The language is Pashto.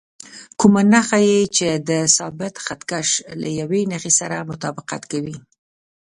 کومه نښه یې چې د ثابت خط کش له یوې نښې سره مطابقت کوي.